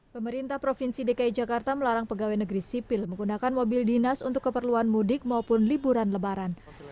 pemerintah provinsi dki jakarta melarang pegawai negeri sipil menggunakan mobil dinas untuk keperluan mudik maupun liburan lebaran